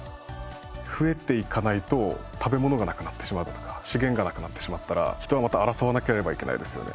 増えていかないと食べ物がなくなってしまうだとか資源がなくなってしまったら人はまた争わなければいけないですよね。